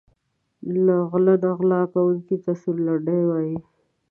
له غله نه غلا کونکي ته سورلنډی وايي.